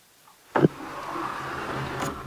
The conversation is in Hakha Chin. Inn ah a ngio ko.